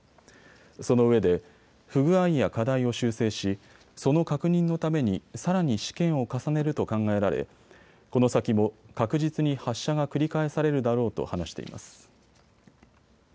そのうえで不具合や課題を修正しその確認のためにさらに試験を重ねると考えられこの先も確実に発射が繰り返されるだろうと話しています。